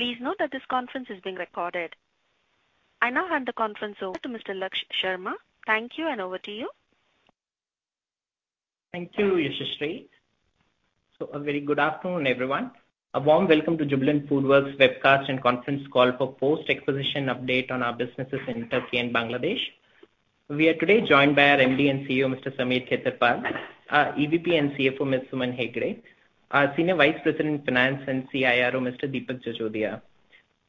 Please note that this conference is being recorded. I now hand the conference over to Mr. Lakshya Sharma. Thank you, and over to you. Thank you, Yasashree. A very good afternoon, everyone. A warm welcome to Jubilant FoodWorks' webcast and conference call for post-acquisition update on our businesses in Turkey and Bangladesh. We are today joined by our MD and CEO, Mr. Sameer Khetarpal, our EVP and CFO, Ms. Suman Hegde, our Senior Vice President, Finance and CIRO, Mr. Deepak Jajodia.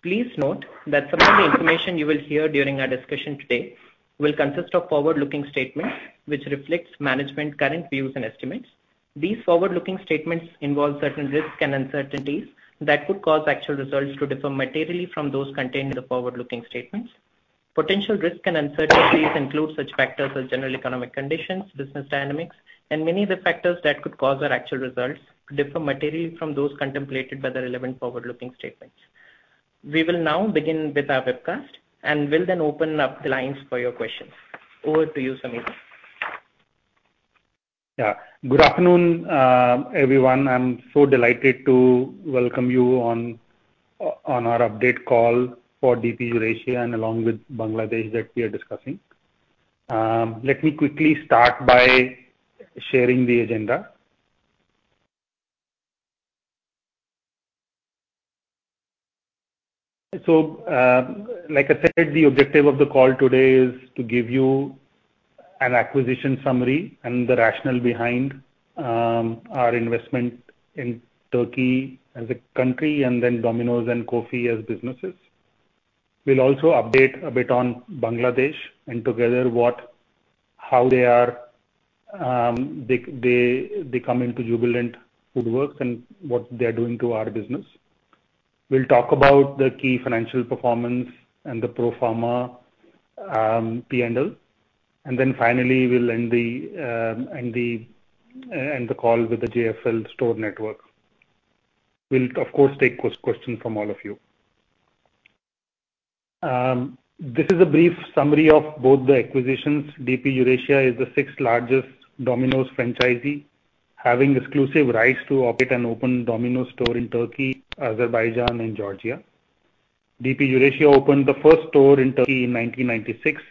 Please note that some of the information you will hear during our discussion today will consist of forward-looking statements, which reflects management's current views and estimates. These forward-looking statements involve certain risks and uncertainties that could cause actual results to differ materially from those contained in the forward-looking statements. Potential risks and uncertainties include such factors as general economic conditions, business dynamics, and many of the factors that could cause our actual results to differ materially from those contemplated by the relevant forward-looking statements. We will now begin with our webcast, and we'll then open up the lines for your questions. Over to you, Sameer. Yeah. Good afternoon, everyone. I'm so delighted to welcome you on our update call for DP Eurasia, and along with Bangladesh that we are discussing. Let me quickly start by sharing the agenda. So, like I said, the objective of the call today is to give you an acquisition summary and the rationale behind our investment in Turkey as a country, and then Domino's and COFFY as businesses. We'll also update a bit on Bangladesh and together what-- how they are, they come into Jubilant FoodWorks and what they're doing to our business. We'll talk about the key financial performance and the pro forma P&L. And then finally, we'll end the call with the JFL store network. We'll, of course, take questions from all of you. This is a brief summary of both the acquisitions. DP Eurasia is the sixth-largest Domino's franchisee, having exclusive rights to operate and open Domino's store in Turkey, Azerbaijan and Georgia. DP Eurasia opened the first store in Turkey in 1996,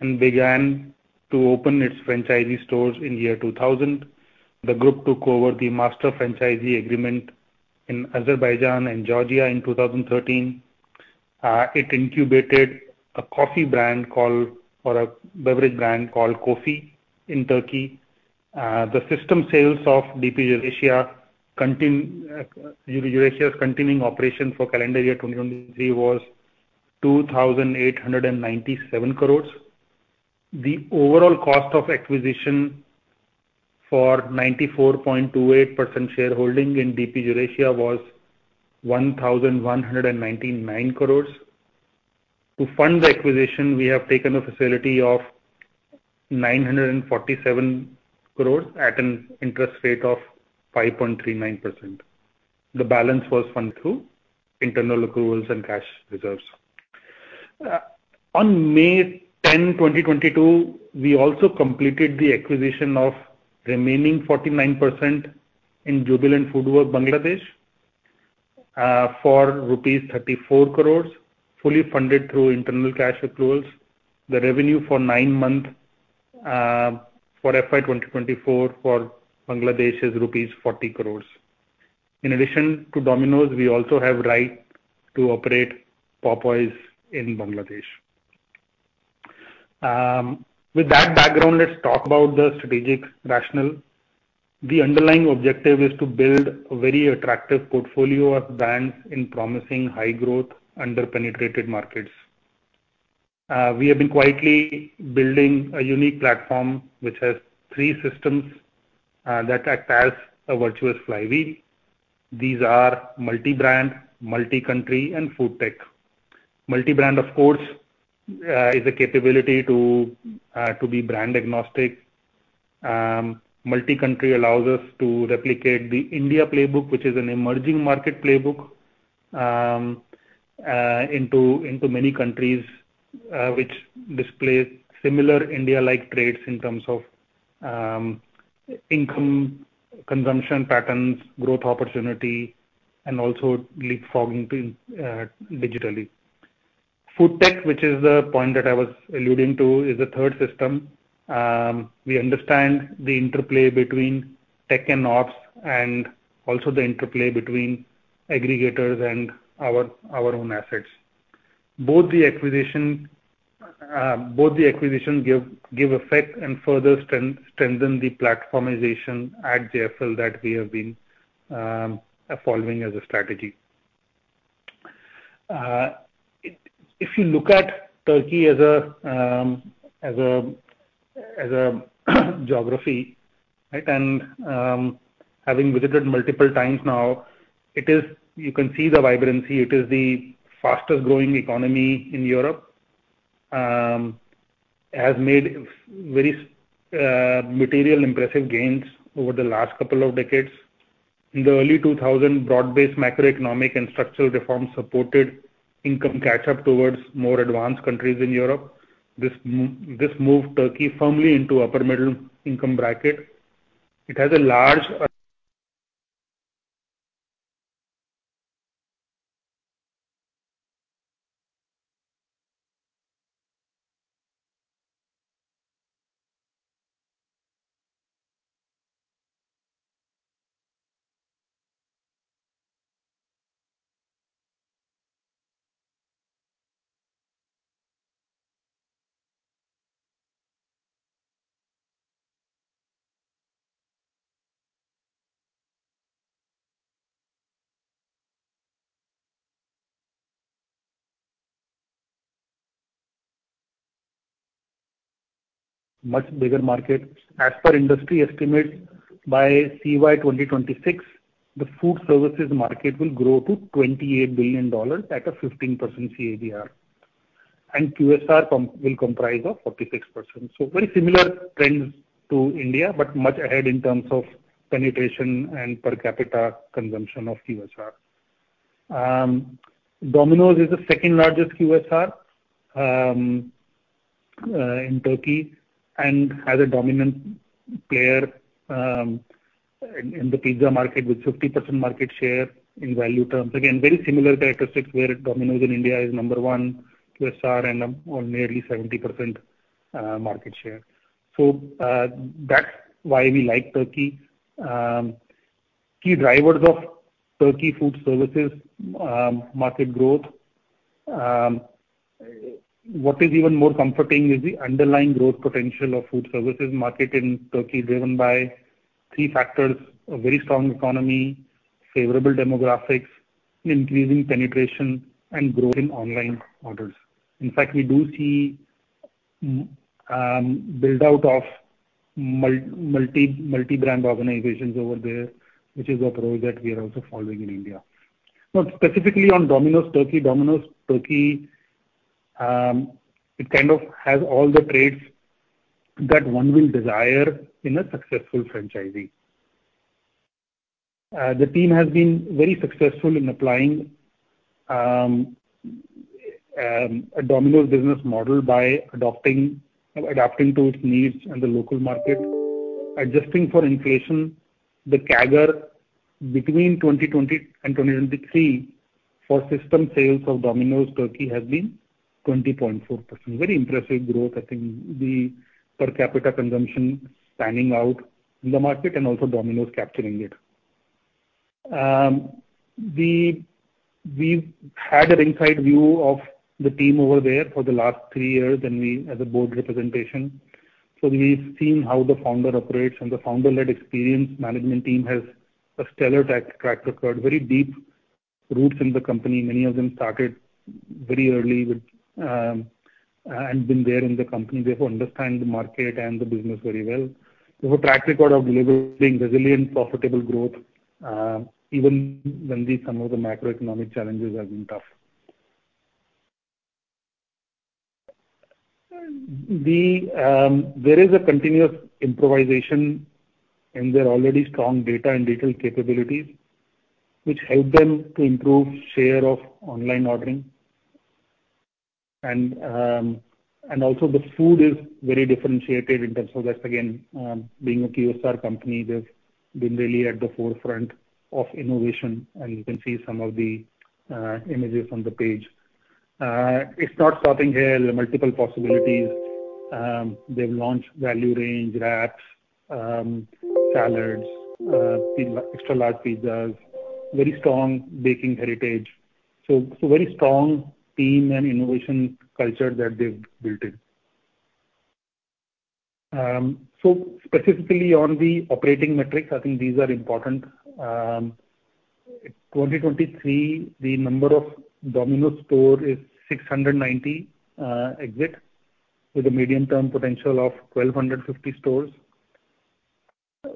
and began to open its franchisee stores in year 2000. The group took over the master franchisee agreement in Azerbaijan and Georgia in 2013. It incubated a COFFY brand called, or a beverage brand called COFFY in Turkey. The system sales of DP Eurasia's continuing operation for calendar year 2023 was 2,897 crores. The overall cost of acquisition for 94.28% shareholding in DP Eurasia was 1,199 crores. To fund the acquisition, we have taken a facility of 947 crore at an interest rate of 5.39%. The balance was funded through internal accruals and cash reserves. On May 10, 2022, we also completed the acquisition of remaining 49% in Jubilant FoodWorks Bangladesh for rupees 34 crore, fully funded through internal cash accruals. The revenue for nine months for FY 2024 for Bangladesh is rupees 40 crore. In addition to Domino's, we also have right to operate Popeyes in Bangladesh. With that background, let's talk about the strategic rationale. The underlying objective is to build a very attractive portfolio of brands in promising high growth, under-penetrated markets. We have been quietly building a unique platform, which has three systems that act as a virtuous flywheel. These are multi-brand, multi-country and food tech. Multi-brand, of course, is a capability to be brand agnostic. Multi-country allows us to replicate the India playbook, which is an emerging market playbook, into many countries, which display similar India-like traits in terms of income, consumption patterns, growth opportunity, and also leapfrogging digitally. Food tech, which is the point that I was alluding to, is the third system. We understand the interplay between tech and ops, and also the interplay between aggregators and our own assets. Both the acquisition give effect and further strengthen the platformization at JFL that we have been following as a strategy. If you look at Turkey as a geography, right? Having visited multiple times now, it is. You can see the vibrancy. It is the fastest-growing economy in Europe. Has made very material impressive gains over the last couple of decades. In the early 2000, broad-based macroeconomic and structural reforms supported income catch-up towards more advanced countries in Europe. This this moved Turkey firmly into upper middle income bracket. It has a large, much bigger market. As per industry estimates, by CY 2026, the food services market will grow to $28 billion at a 15% CAGR, and QSR will comprise of 46%. So very similar trends to India, but much ahead in terms of penetration and per capita consumption of QSR. Domino's is the second largest QSR in Turkey, and has a dominant player in the pizza market, with 50% market share in value terms. Again, very similar characteristics, where Domino's in India is number one QSR and on nearly 70% market share. So, that's why we like Turkey. Key drivers of Turkey food services market growth. What is even more comforting is the underlying growth potential of food services market in Turkey, driven by three factors: a very strong economy, favorable demographics, increasing penetration, and growth in online orders. In fact, we do see build out of multi-brand organizations over there, which is approach that we are also following in India. Now, specifically on Domino's Turkey. Domino's Turkey, it kind of has all the traits that one will desire in a successful franchisee. The team has been very successful in applying a Domino's business model by adapting to its needs in the local market. Adjusting for inflation, the CAGR between 2020 and 2023 for system sales of Domino's Turkey has been 20.4%. Very impressive growth. I think the per capita consumption spanning out in the market and also Domino's capturing it. We've had an inside view of the team over there for the last three years, and we have a board representation. So we've seen how the founder operates, and the founder-led experienced management team has a stellar track record, very deep roots in the company. Many of them started very early with and been there in the company. They understand the market and the business very well. They have a track record of delivering resilient, profitable growth, even when some of the macroeconomic challenges have been tough. There is a continuous improvisation in their already strong data and digital capabilities, which help them to improve share of online ordering. And also the food is very differentiated in terms of that. Again, being a QSR company, they've been really at the forefront of innovation, and you can see some of the images on the page. It's not stopping here, there are multiple possibilities. They've launched value range wraps, salads, pizza, extra large pizzas, very strong baking heritage. So very strong team and innovation culture that they've built in. So specifically on the operating metrics, I think these are important. In 2023, the number of Domino's store is 690 exits, with a medium-term potential of 1,250 stores.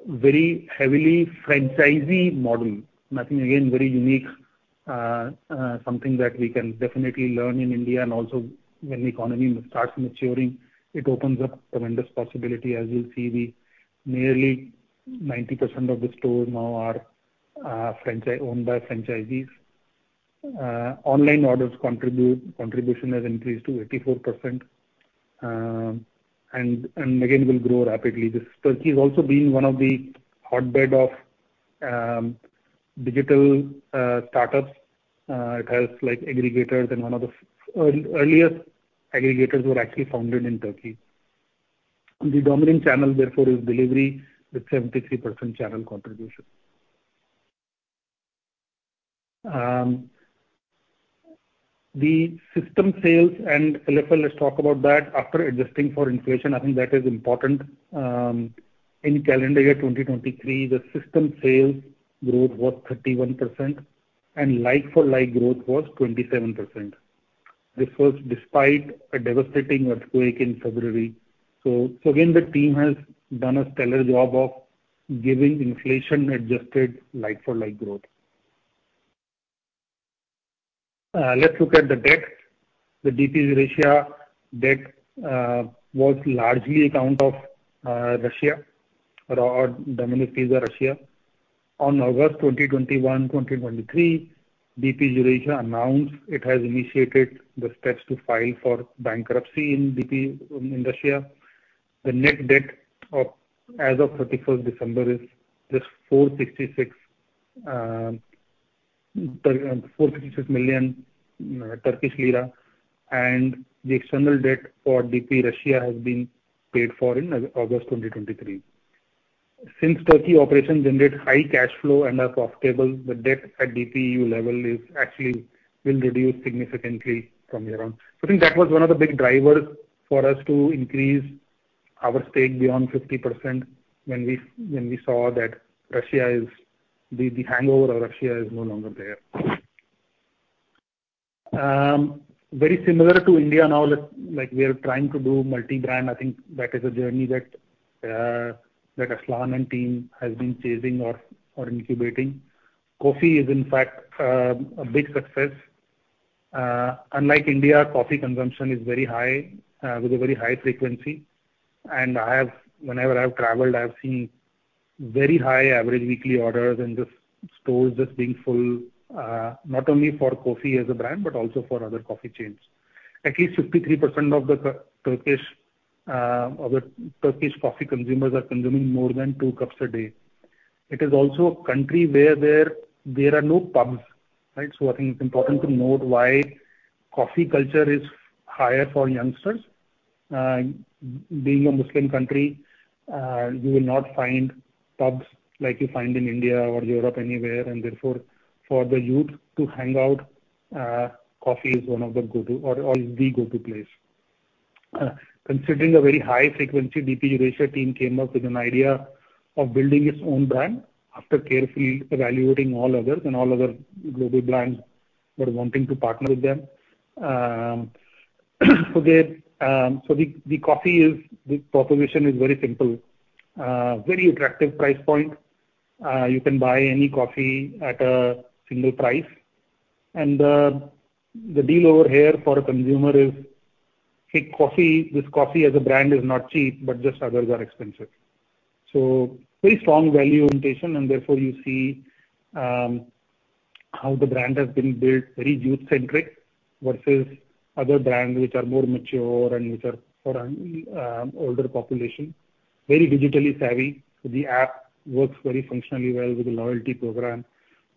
Very heavily franchisee model. I think, again, very unique, something that we can definitely learn in India. Also when the economy starts maturing, it opens up tremendous possibility. As you'll see, the nearly 90% of the stores now are franchisee-owned by franchisees. Online orders contribution has increased to 84%, and, and again, will grow rapidly. Turkey has also been one of the hotbed of digital startups. It has, like, aggregators, and one of the earliest aggregators were actually founded in Turkey. The dominant channel, therefore, is delivery, with 73% channel contribution. The system sales and LFL, let's talk about that. After adjusting for inflation, I think that is important. In calendar year 2023, the system sales growth was 31% and like for like growth was 27%. This was despite a devastating earthquake in February. So again, the team has done a stellar job of giving inflation-adjusted, like for like growth. Let's look at the debt. The DP Eurasia debt was largely on account of Russia or Domino's Pizza Russia. On August 21, 2023, DP Eurasia announced it has initiated the steps to file for bankruptcy in Russia. The net debt as of thirty-first December is just 466 million Turkish lira, and the external debt for DP Eurasia Russia has been paid for in August 2023. Since Turkey operations generate high cash flow and are profitable, the debt at DPEU level is actually will reduce significantly from here on. So I think that was one of the big drivers for us to increase our stake beyond 50% when we, when we saw that Russia is, the, the hangover of Russia is no longer there. Very similar to India now, that like we are trying to do multi-brand, I think that is a journey that, that Aslan and team has been chasing or, or incubating. COFFY is in fact a big success. Unlike India, COFFY consumption is very high with a very high frequency. And I have, whenever I've traveled, I've seen very high average weekly orders and just stores just being full, not only for COFFY as a brand, but also for other COFFY chains. At least 53% of the Turkish COFFY consumers are consuming more than two cups a day. It is also a country where there are no pubs, right? So I think it's important to note why COFFY culture is higher for youngsters. Being a Muslim country, you will not find pubs like you find in India or Europe anywhere, and therefore, for the youth to hang out, COFFY is one of the go-to or is the go-to place. Considering a very high frequency, DP Eurasia team came up with an idea of building its own brand after carefully evaluating all others and all other global brands that are wanting to partner with them. So the COFFY is... The proposition is very simple. Very attractive price point. You can buy any COFFY at a single price. The deal over here for a consumer is, hey, COFFY, this COFFY as a brand is not cheap, but just others are expensive. So very strong value orientation, and therefore you see how the brand has been built, very youth-centric, versus other brands which are more mature and which are for older population. Very digitally savvy. The app works very functionally well with the loyalty program.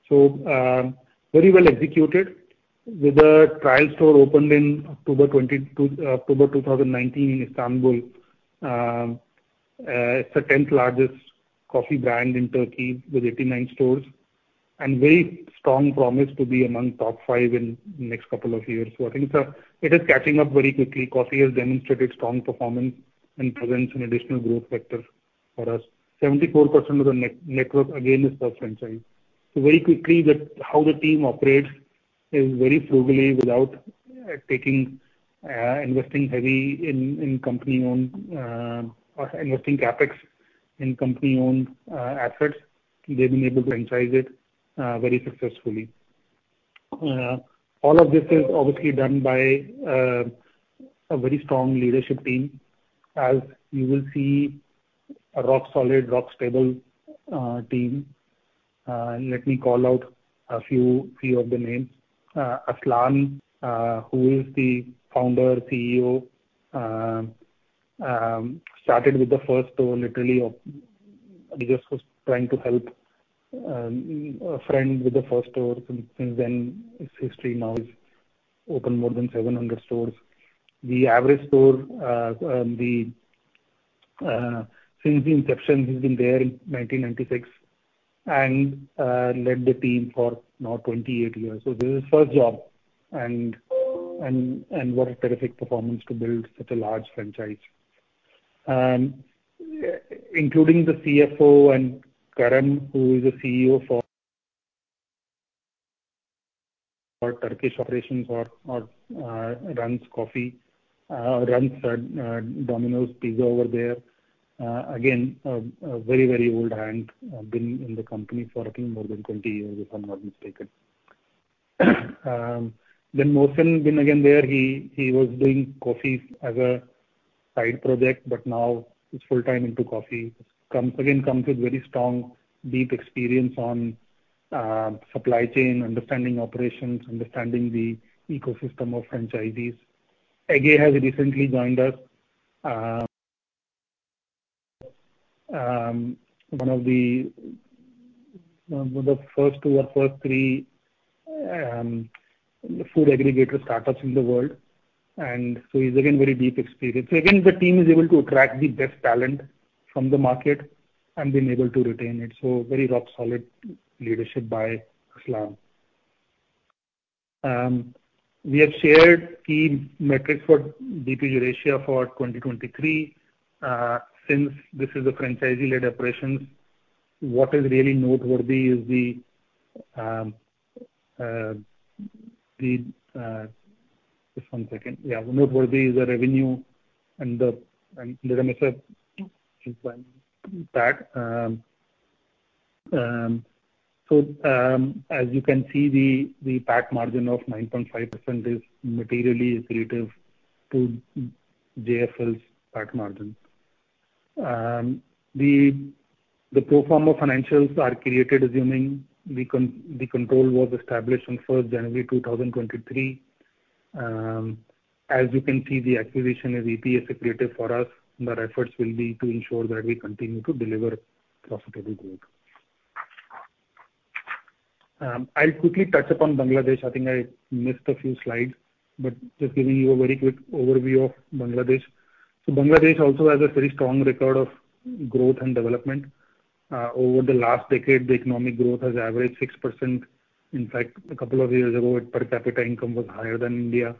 So, very well executed. With the trial store opened in October 2019 in Istanbul. It's the 10th largest COFFY brand in Turkey, with 89 stores, and very strong promise to be among top five in the next couple of years. So I think it is catching up very quickly. COFFY has demonstrated strong performance and presents an additional growth vector for us. 74% of the network, again, is for franchise. So very quickly, the, how the team operates is very frugally without, taking, investing heavy in, in company-owned, or investing CapEx in company-owned, assets. They've been able to franchise it, very successfully. All of this is obviously done by, a very strong leadership team. As you will see, a rock solid, rock stable, team. Let me call out a few, few of the names. Aslan, who is the founder, CEO, started with the first store, literally of... He just was trying to help, a friend with the first store. Since, since then, his history now is open more than 700 stores. Aslan, since the inception, he's been there in 1996 and led the team for now 28 years. So this is his first job, and what a terrific performance to build such a large franchise. Including the CFO and Kerem, who is the CEO for Turkish operations or runs COFFY, runs Domino's Pizza over there. Again, a very, very old hand, been in the company for, I think, more than 20 years, if I'm not mistaken. Then Muhsin, been there again, he was doing COFFY as a side project, but now he's full-time into COFFY. Comes again with very strong, deep experience on supply chain, understanding operations, understanding the ecosystem of franchisees. Ege has recently joined us. One of the first or first three food aggregator startups in the world, and so he's again, very deep experience. So again, the team is able to attract the best talent from the market and been able to retain it. So very rock solid leadership by Aslan. We have shared key metrics for DP Eurasia for 2023. Since this is a franchisee-led operations, what is really noteworthy is the noteworthy is the revenue and the System Sales. So, as you can see, the PAT margin of 9.5% is materially additive to JFL's PAT margin. The pro forma financials are created assuming the control was established on January 1, 2023. As you can see, the acquisition is EPS accretive for us, and our efforts will be to ensure that we continue to deliver profitable growth. I'll quickly touch upon Bangladesh. I think I missed a few slides, but just giving you a very quick overview of Bangladesh. So Bangladesh also has a very strong record of growth and development. Over the last decade, the economic growth has averaged 6%. In fact, a couple of years ago, its per capita income was higher than India.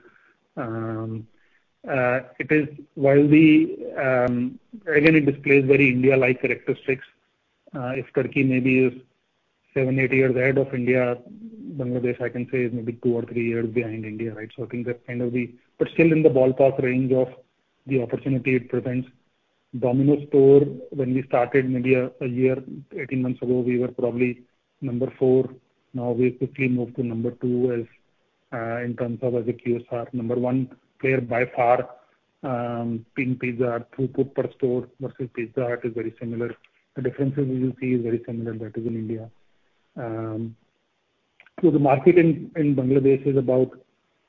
It is while we, again, it displays very India-like characteristics. If Turkey maybe is 7-8 years ahead of India, Bangladesh, I can say, is maybe 2 or 3 years behind India, right? So I think that's kind of the, but still in the ballpark range of the opportunity it presents. Domino store, when we started maybe a year, 18 months ago, we were probably number 4. Now we've quickly moved to number 2 as in terms of as a QSR. Number 1 player by far, being Pizza Hut. Throughput per store versus Pizza Hut is very similar. The differences you see is very similar that is in India. So the market in Bangladesh is about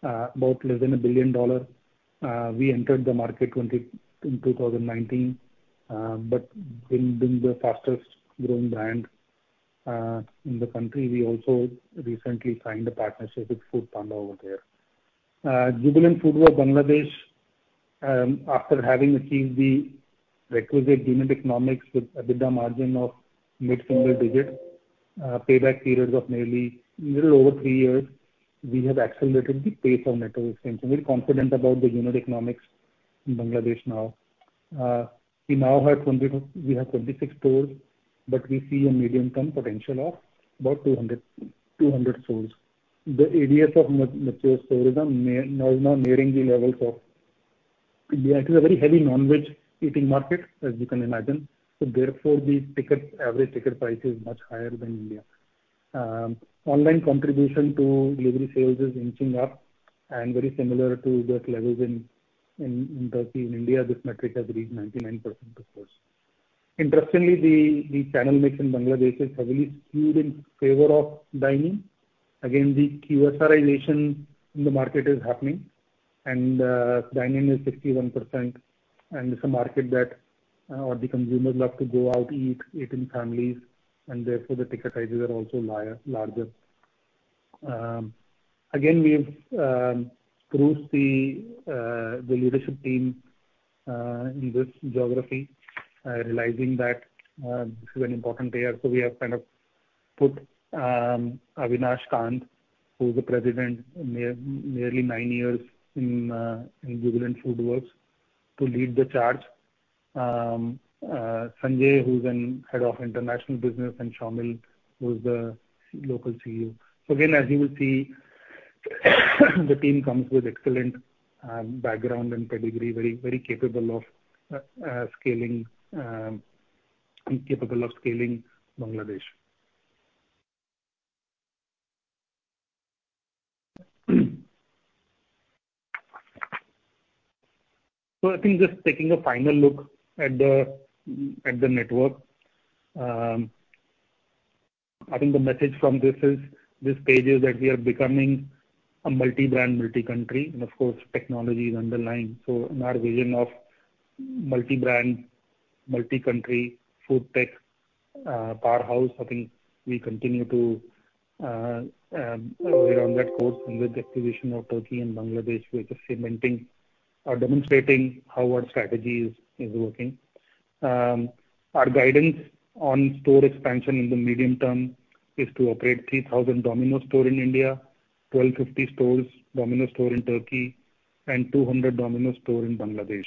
less than $1 billion. We entered the market in 2019. But being the fastest growing brand in the country, we also recently signed a partnership with Foodpanda over there. Jubilant FoodWorks Bangladesh, after having achieved the requisite unit economics with EBITDA margin of mid-single digit, payback periods of nearly little over 3 years, we have accelerated the pace of network expansion. We're confident about the unit economics in Bangladesh now. We now have twenty-six stores, but we see a medium-term potential of about 200 stores. The areas of mature stores are now nearing the levels of India. It is a very heavy non-veg eating market, as you can imagine. So therefore, the average ticket price is much higher than India. Online contribution to delivery sales is inching up and very similar to that levels in Turkey and India. This metric has reached 99%, of course. Interestingly, the channel mix in Bangladesh is heavily skewed in favor of dining. Again, the QSRization in the market is happening, and dining is 61%, and it's a market that the consumers love to go out, eat, eat in families, and therefore, the ticket sizes are also larger. Again, we've spruced the leadership team in this geography, realizing that this is an important player. So we have kind of put Avinash Kant, who's the president, nearly nine years in Jubilant FoodWorks, to lead the charge. Sanjay, who's a head of international business, and Shamyl, who's the local CEO. So again, as you will see, the team comes with excellent background and pedigree, very, very capable of scaling, capable of scaling Bangladesh. So I think just taking a final look at the network. I think the message from this is, this page is that we are becoming a multi-brand, multi-country, and of course, technology is underlying. So in our vision of multi-brand, multi-country food tech powerhouse, I think we continue to, we're on that course. With the acquisition of Turkey and Bangladesh, we're just cementing or demonstrating how our strategy is working. Our guidance on store expansion in the medium term is to operate 3,000 Domino's store in India, 1,250 stores, Domino's store in Turkey, and 200 Domino's store in Bangladesh.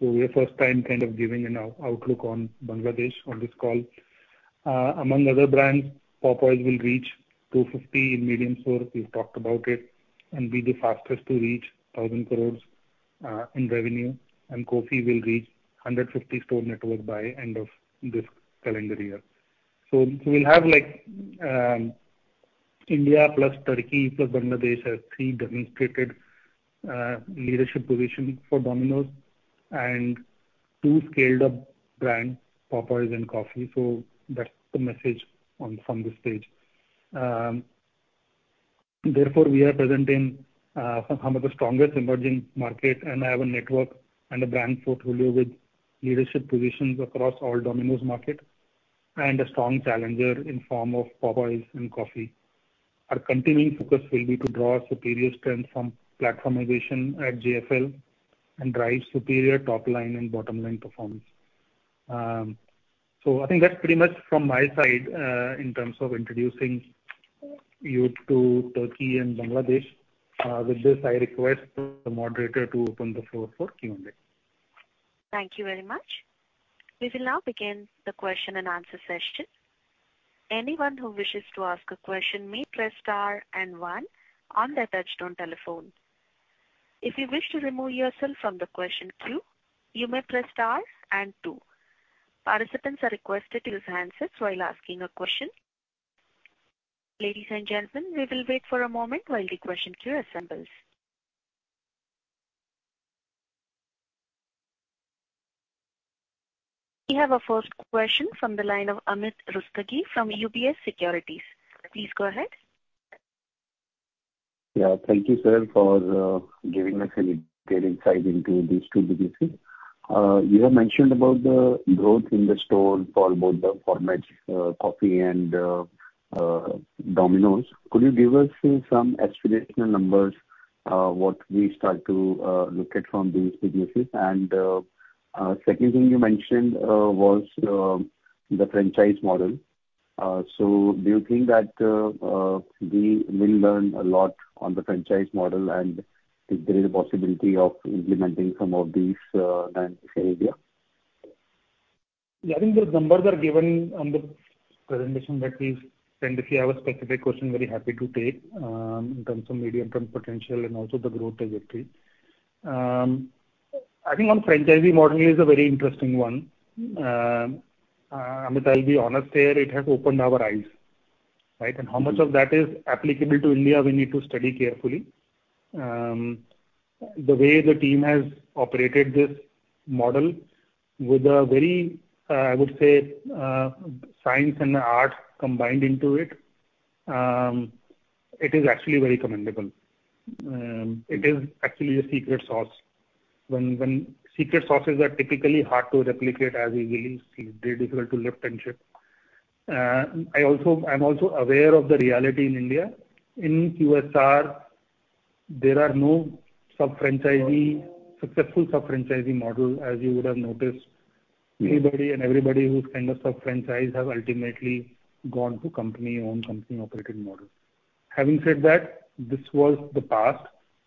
So we're first time kind of giving an outlook on Bangladesh on this call. Among other brands, Popeyes will reach 250 in medium stores, we've talked about it, and be the fastest to reach 1,000 crores in revenue. COFFY will reach 150 store network by end of this calendar year. So, we'll have like, India plus Turkey plus Bangladesh as three demonstrated leadership position for Domino's and two scaled up brands, Popeyes and COFFY. So that's the message on from this page. Therefore, we are present in some of the strongest emerging market, and have a network and a brand portfolio with leadership positions across all Domino's market and a strong challenger in form of Popeyes and COFFY. Our continuing focus will be to draw superior strength from platformization at JFL and drive superior top line and bottom line performance. So I think that's pretty much from my side, in terms of introducing you to Turkey and Bangladesh. With this, I request the moderator to open the floor for Q&A. Thank you very much. We will now begin the question-and-answer session. Anyone who wishes to ask a question may press star and one on their touchtone telephone. If you wish to remove yourself from the question queue, you may press star and two. Participants are requested to use handsets while asking a question. Ladies and gentlemen, we will wait for a moment while the question queue assembles. We have our first question from the line of Amit Rustagi from UBS Securities. Please go ahead. Yeah, thank you, sir, for giving us a great insight into these two businesses. You have mentioned about the growth in the store for both the formats, COFFY and Domino's. Could you give us some aspirational numbers, what we start to look at from these businesses? And second thing you mentioned was the franchise model. So do you think that we will learn a lot on the franchise model, and if there is a possibility of implementing some of these in India? Yeah, I think the numbers are given on the presentation that we've sent. If you have a specific question, very happy to take in terms of medium-term potential and also the growth trajectory. I think on franchisee model is a very interesting one. Amit, I'll be honest here, it has opened our eyes, right? And how much of that is applicable to India, we need to study carefully. The way the team has operated this model with a very, I would say, science and art combined into it, it is actually very commendable. It is actually a secret sauce. When secret sauces are typically hard to replicate, as we will see, they're difficult to lift and shift. I also, I'm also aware of the reality in India. In QSR, there are no sub-franchisee, successful sub-franchisee model, as you would have noticed. Anybody and everybody who's kind of sub-franchised have ultimately gone to company-owned, company-operated model. Having said that, this was the past.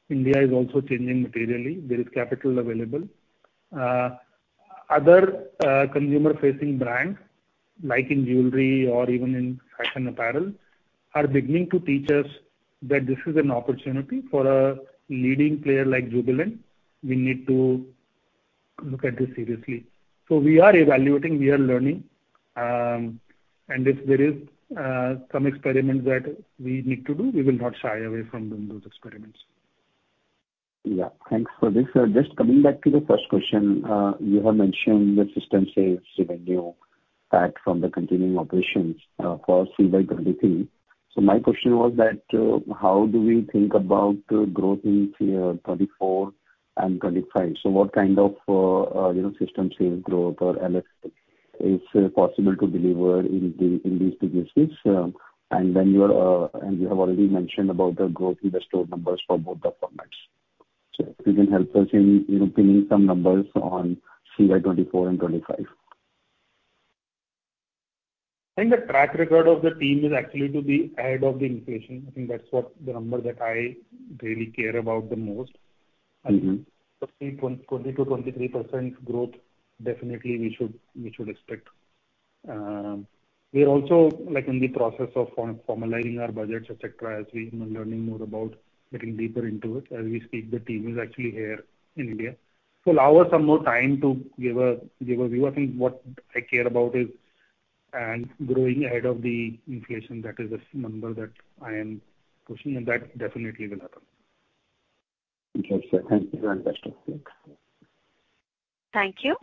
India is also changing materially. There is capital available. Other, consumer-facing brands, like in jewelry or even in fashion apparel, are beginning to teach us that this is an opportunity for a leading player like Jubilant. We need to look at this seriously. So we are evaluating, we are learning, and if there is, some experiments that we need to do, we will not shy away from doing those experiments. Yeah. Thanks for this. Just coming back to the first question. You have mentioned the system sales revenue from the continuing operations for FY 2023. So my question was that, how do we think about growth in FY 2024 and 2025? So what kind of, you know, system sales growth or LFL is possible to deliver in these businesses? And then and you have already mentioned about the growth in the store numbers for both the formats. So if you can help us in, you know, pinning some numbers on CY 2024 and 2025. I think the track record of the team is actually to be ahead of the inflation. I think that's what the number that I really care about the most. Mm-hmm. 20%-23% growth, definitely we should, we should expect. We are also, like, in the process of formalizing our budgets, et cetera, as we, you know, learning more about getting deeper into it. As we speak, the team is actually here in India. So allow us some more time to give a, give a view. I think what I care about is, growing ahead of the inflation. That is the number that I am pushing, and that definitely will happen. Okay, sir. Thank you very much. Thank you.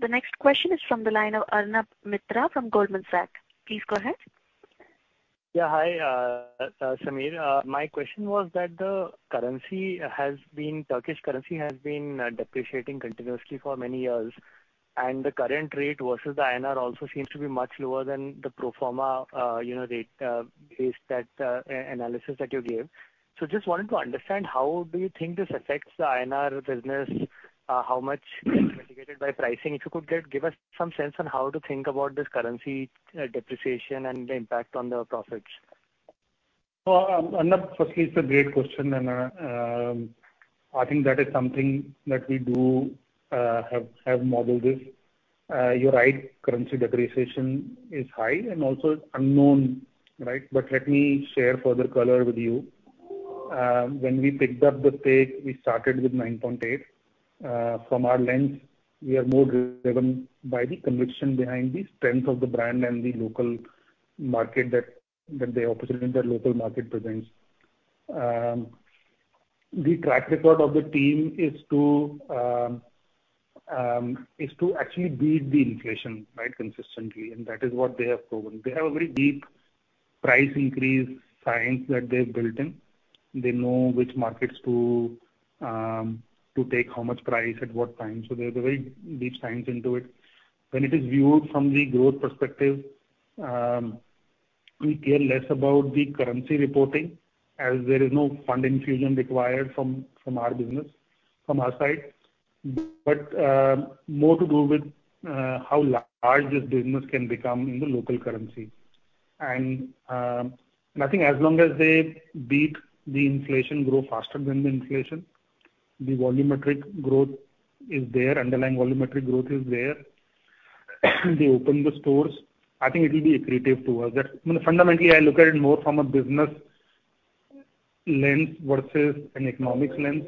The next question is from the line of Arnab Mitra from Goldman Sachs. Please go ahead. Yeah, hi, Sameer. My question was that the currency has been—Turkish currency has been depreciating continuously for many years, and the current rate versus the INR also seems to be much lower than the pro forma, you know, rate based on that analysis that you gave. So just wanted to understand, how do you think this affects the INR business? How much it's mitigated by pricing? If you could give us some sense on how to think about this currency depreciation and the impact on the profits. Well, Arnab, firstly, it's a great question, and I think that is something that we do have modeled this. You're right, currency depreciation is high and also unknown, right? But let me share further color with you. When we picked up the stake, we started with 9.8. From our lens, we are more driven by the conviction behind the strength of the brand and the local market that the opportunity the local market presents. The track record of the team is to actually beat the inflation, right, consistently, and that is what they have proven. They have a very deep price increase science that they've built in. They know which markets to take how much price at what time, so there's a very deep science into it. When it is viewed from the growth perspective, we care less about the currency reporting, as there is no fund infusion required from our business, from our side, but more to do with how large this business can become in the local currency. I think as long as they beat the inflation, grow faster than the inflation, the volumetric growth is there, underlying volumetric growth is there. They open the stores, I think it will be accretive to us. That, you know, fundamentally, I look at it more from a business lens versus an economics lens.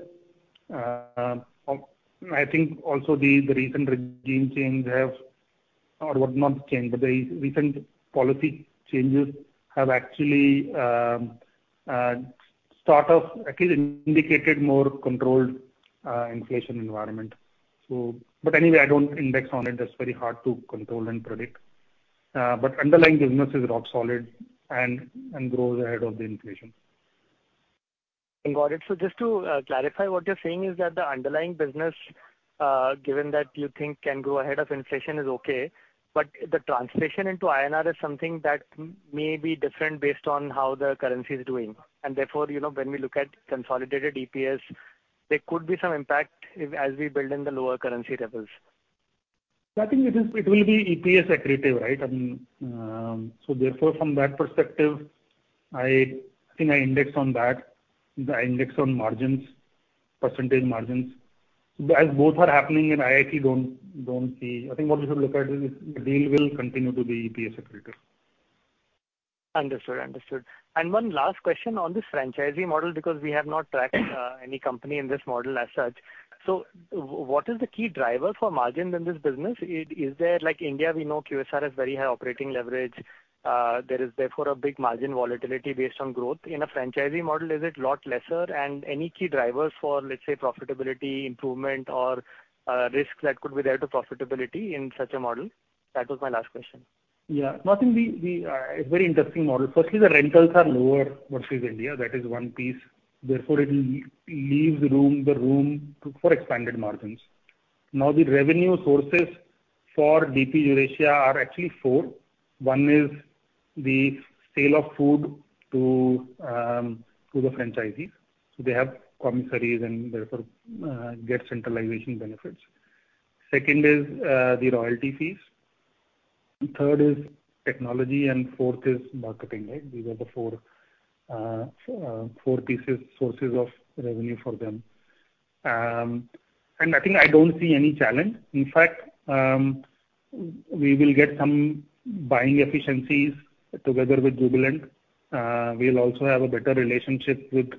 I think also the recent regime change have or not change, but the recent policy changes have actually sort of actually indicated more controlled inflation environment. But anyway, I don't index on it. That's very hard to control and predict. But underlying business is rock solid and grows ahead of the inflation. Got it. So just to clarify, what you're saying is that the underlying business, given that you think can grow ahead of inflation, is okay, but the translation into INR is something that may be different based on how the currency is doing. And therefore, you know, when we look at consolidated EPS, there could be some impact if as we build in the lower currency levels. I think it is, it will be EPS accretive, right? I mean, so therefore, from that perspective, I think I index on that. I index on margins, percentage margins. As both are happening in IIT, don't see... I think what we should look at is, the deal will continue to be EPS accretive. Understood. Understood. And one last question on this franchisee model, because we have not tracked any company in this model as such. So what is the key driver for margins in this business? Is there, like India, we know QSR has very high operating leverage, there is therefore a big margin volatility based on growth. In a franchisee model, is it a lot lesser? And any key drivers for, let's say, profitability, improvement or risks that could be there to profitability in such a model? That was my last question. Yeah. Nothing, it's very interesting model. Firstly, the rentals are lower versus India. That is one piece. Therefore, it leaves room for expanded margins. Now, the revenue sources for DP Eurasia are actually four. One is the sale of food to the franchisees. So they have commissaries and therefore get centralization benefits. Second is the royalty fees, third is technology, and fourth is marketing, right? These are the four pieces, sources of revenue for them. And I think I don't see any challenge. In fact, we will get some buying efficiencies together with Jubilant. We'll also have a better relationship with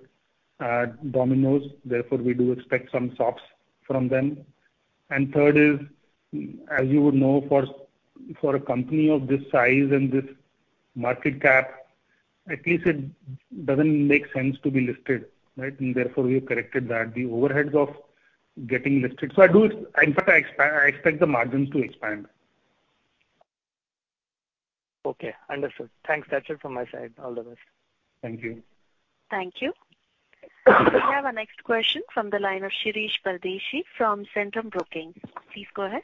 Domino's, therefore, we do expect some sops from them. Third is, as you would know, for a company of this size and this market cap, at least it doesn't make sense to be listed, right? Therefore, we have corrected that, the overheads of getting listed. So I do. In fact, I expect the margins to expand. Okay, understood. Thanks. That's it from my side. All the best. Thank you. Thank you. We have our next question from the line of Shirish Pardeshi from Centrum Broking. Please go ahead.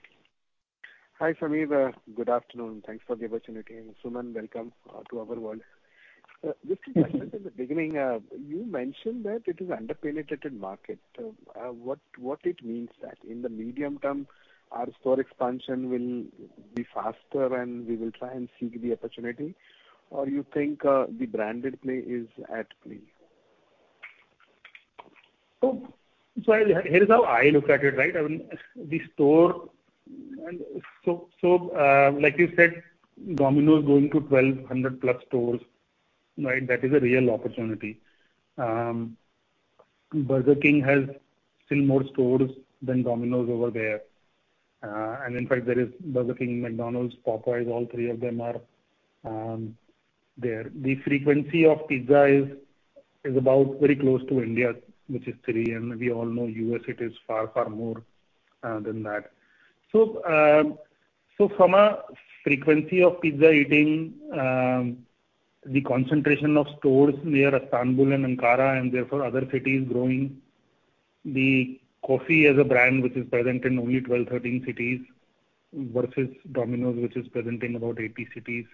Hi, Sameer. Good afternoon. Thanks for the opportunity, and Suman, welcome to our world. Just to mention in the beginning, you mentioned that it is an underpenetrated market. What, what it means that in the medium term, our store expansion will be faster and we will try and seek the opportunity? Or you think, the branded play is at play? Here's how I look at it, right? I mean, the store... And like you said, Domino's is going to 1,200+ stores, right? That is a real opportunity. Burger King has still more stores than Domino's over there. And in fact, there is Burger King, McDonald's, Popeyes, all three of them are there. The frequency of pizza is about very close to India, which is three, and we all know U.S., it is far, far more than that. So from a frequency of pizza eating, the concentration of stores near Istanbul and Ankara and therefore other cities growing, the COFFY as a brand, which is present in only 12, 13 cities, versus Domino's, which is present in about 80 cities.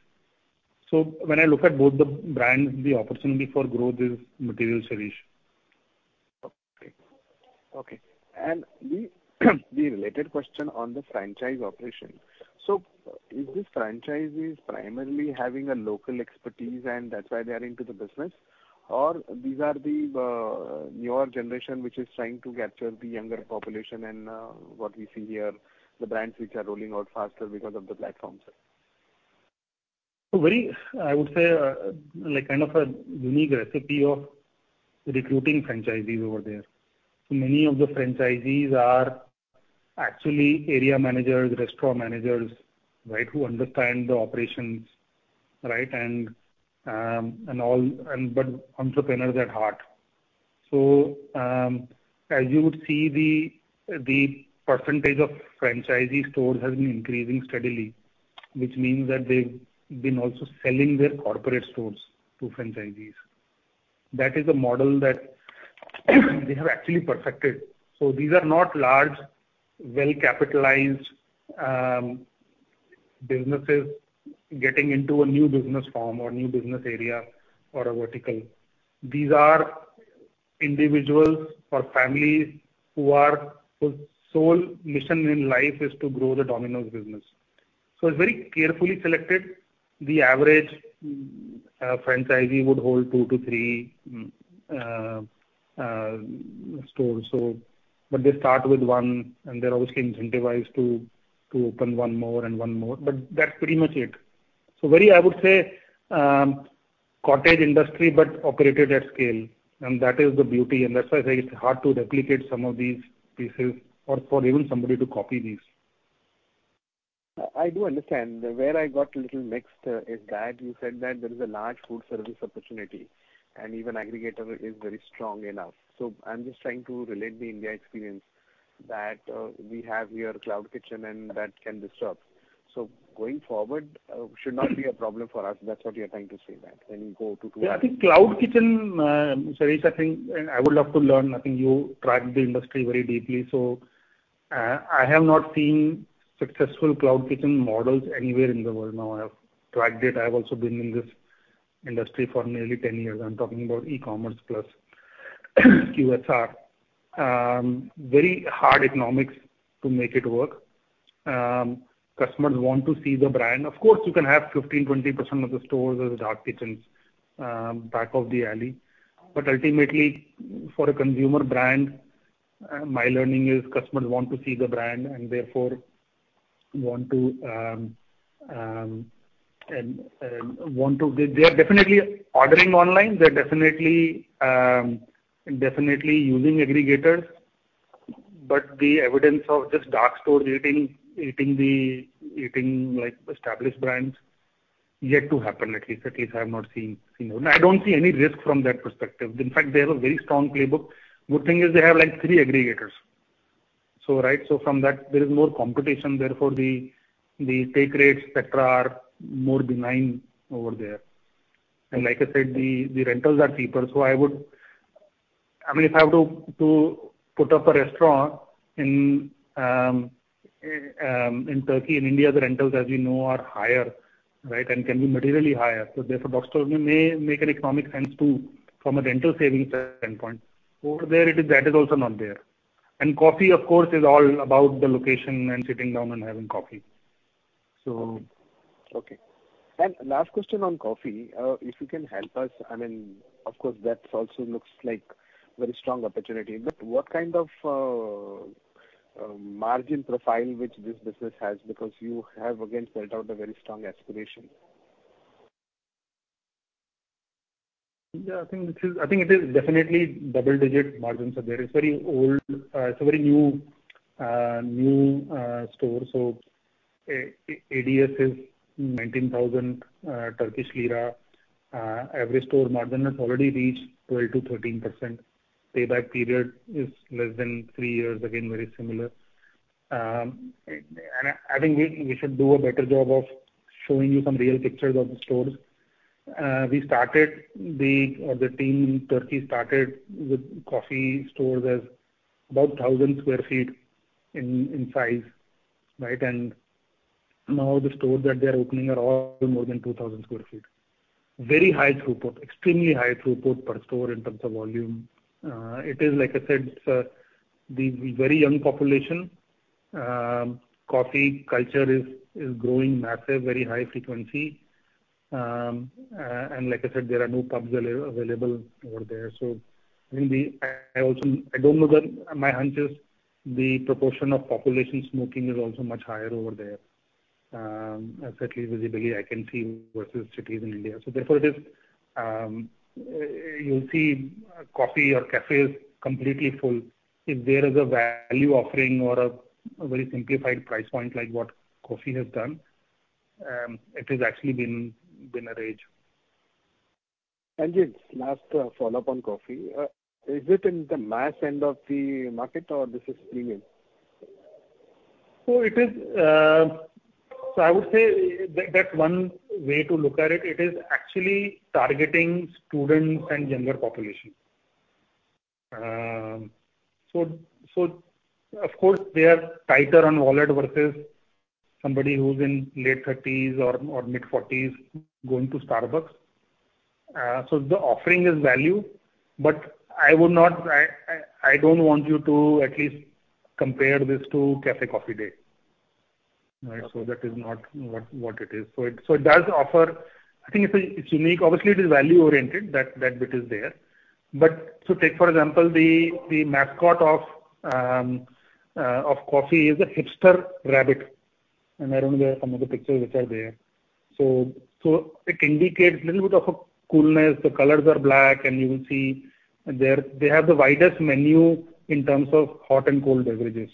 So when I look at both the brands, the opportunity for growth is material, Shirish. Okay. Okay. And the related question on the franchise operation. So is this franchise primarily having local expertise, and that's why they are into the business? Or these are the newer generation, which is trying to capture the younger population and what we see here, the brands which are rolling out faster because of the platform side? So very, I would say, like kind of a unique recipe of recruiting franchisees over there. Many of the franchisees are actually area managers, restaurant managers, right, who understand the operations, right, and but entrepreneurs at heart. So, as you would see, the percentage of franchisee stores has been increasing steadily, which means that they've been also selling their corporate stores to franchisees. That is a model that they have actually perfected. So these are not large, well-capitalized, businesses getting into a new business form or a new business area or a vertical. These are individuals or families who are, whose sole mission in life is to grow the Domino's business. So it's very carefully selected. The average franchisee would hold two-three store. So, but they start with one, and they're obviously incentivized to open one more and one more, but that's pretty much it. So very, I would say, cottage industry, but operated at scale, and that is the beauty, and that's why I say it's hard to replicate some of these pieces or for even somebody to copy these. I, I do understand. Where I got a little mixed is that you said that there is a large food service opportunity, and even aggregator is very strong enough. So I'm just trying to relate the India experience that we have here, cloud kitchen, and that can disrupt. So going forward should not be a problem for us. That's what you're trying to say that when you go to- Yeah, I think cloud kitchen, Suresh, I think, and I would love to learn. I think you track the industry very deeply, so I have not seen successful cloud kitchen models anywhere in the world. Now, I have tracked it. I've also been in this industry for nearly 10 years. I'm talking about e-commerce plus QSR. Very hard economics to make it work. Customers want to see the brand. Of course, you can have 15%, 20% of the stores as dark kitchens, back of the alley. But ultimately, for a consumer brand, my learning is customers want to see the brand and therefore want to -- they, they are definitely ordering online. They're definitely using aggregators. But the evidence of just dark stores eating the established brands yet to happen, at least I have not seen. I don't see any risk from that perspective. In fact, they have a very strong playbook. Good thing is they have, like, three aggregators. So, right? So from that, there is more competition, therefore, the take rates, et cetera, are more benign over there. And like I said, the rentals are cheaper. So I would—I mean, if I have to put up a restaurant in Turkey and India, the rentals, as we know, are higher, right? And can be materially higher. So therefore, dark store may make an economic sense to from a rental savings standpoint. Over there, it is also not there. COFFY, of course, is all about the location and sitting down and having COFFY. So... Okay. Last question on COFFY. If you can help us, I mean, of course, that also looks like very strong opportunity, but what kind of margin profile which this business has? Because you have again set out a very strong aspiration. Yeah, I think it is. I think it is definitely double-digit margins are there. It's very old, it's a very new, new, store, so ADS is TRY 19,000. Every store margin has already reached 12%-13%. Payback period is less than three years, again, very similar. And I think we should do a better job of showing you some real pictures of the stores. We started the-- or the team in Turkey started with COFFY stores as about 1,000 sq ft in size, right? And now the stores that they are opening are all more than 2,000 sq ft. Very high throughput, extremely high throughput per store in terms of volume. It is like I said, it's a very young population. COFFY culture is growing massive, very high frequency. Like I said, there are no pubs available over there. So I mean, I also don't know that my hunch is the proportion of population smoking is also much higher over there. Certainly, visibly, I can see versus cities in India. So therefore it is, you'll see COFFY or cafes completely full. If there is a value offering or a very simplified price point, like what COFFY has done, it has actually been a rage. Just last follow-up on COFFY. Is it in the mass end of the market or this is premium? So, I would say that that's one way to look at it. It is actually targeting students and younger population. So, of course, they are tighter on wallet versus somebody who's in late thirties or mid-forties going to Starbucks. So the offering is value, but I would not, I don't want you to at least compare this to Café Coffee Day. Right? So that is not what it is. So it does offer. I think it's unique. Obviously, it is value-oriented, that bit is there. But so take, for example, the mascot of COFFY is a hipster rabbit, and I don't know where some of the pictures which are there. So it indicates a little bit of a coolness. The colors are black, and you will see there, they have the widest menu in terms of hot and cold beverages.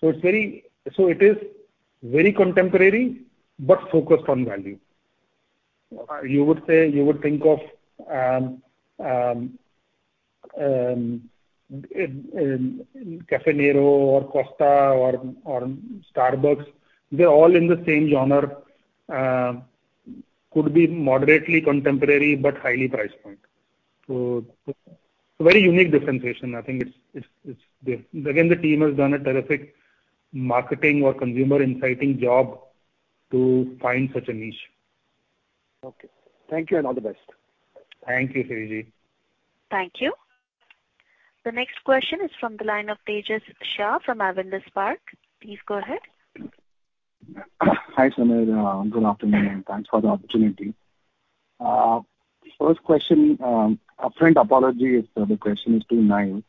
So it's very contemporary, but focused on value. You would say, you would think of Caffè Nero or Costa or Starbucks, they're all in the same genre. Could be moderately contemporary, but highly price point. So very unique differentiation. I think it's there. Again, the team has done a terrific marketing or consumer inciting job to find such a niche. Okay. Thank you, and all the best. Thank you, Shirish. Thank you. The next question is from the line of Tejas Shah from Avendus Spark. Please go ahead. Hi, Suman. Good afternoon, and thanks for the opportunity. First question, upfront apology if the question is too naive,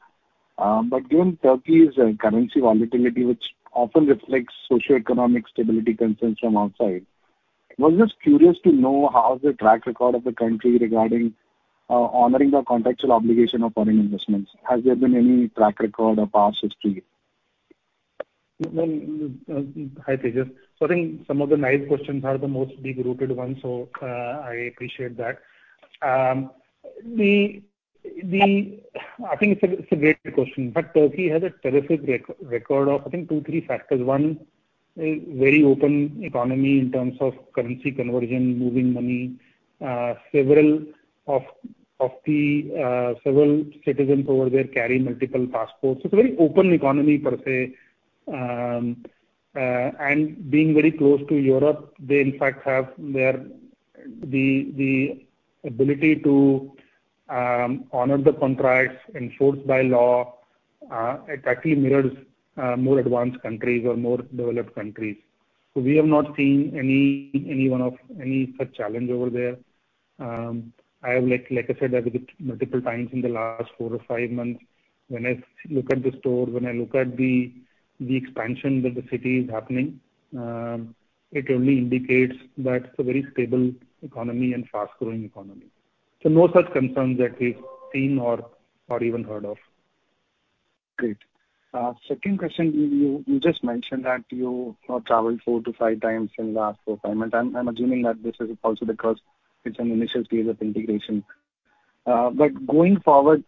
but given Turkey's currency volatility, which often reflects socioeconomic stability concerns from outside, I was just curious to know, how is the track record of the country regarding honoring the contractual obligation of foreign investments? Has there been any track record or past history? Well, hi, Tejas. So I think some of the naive questions are the most deep-rooted ones, so I appreciate that. The, I think it's a great question. But Turkey has a terrific record of, I think, two, three factors. One, a very open economy in terms of currency conversion, moving money. Several of the several citizens over there carry multiple passports. It's a very open economy per se. And being very close to Europe, they in fact have their the ability to honor the contracts enforced by law, it actually mirrors more advanced countries or more developed countries. So we have not seen any one of any such challenge over there. I have, like I said, several, multiple times in the last four or five months, when I look at the store, when I look at the expansion that the city is happening, it only indicates that it's a very stable economy and fast-growing economy. So no such concerns that we've seen or even heard of. Great. Second question, you just mentioned that you've now traveled 4x-5x in the last four or five months. I'm assuming that this is also because it's an initial phase of integration. But going forward,